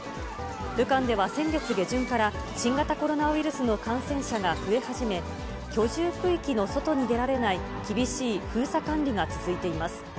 武漢では先月下旬から、新型コロナウイルスの感染者が増え始め、居住区域の外に出られない、厳しい封鎖管理が続いています。